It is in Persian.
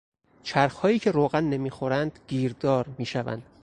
چرخهایی که روغن نمیخورند گیردار میشوند.